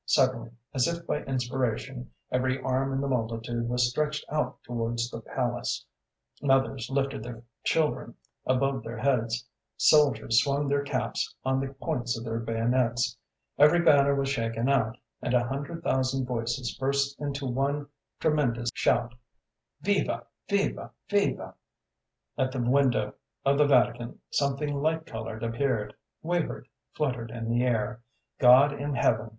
Suddenly, as if by inspiration, every arm in the multitude was stretched out towards the palace; mothers lifted their children above their heads, soldiers swung their caps on the points of their bayonets, every banner was shaken out, and a hundred thousand voices burst into one tremendous shout, 'Viva! Viva! Viva!' At the window of the Vatican something light colored appeared, wavered, fluttered in the air. God in heaven!"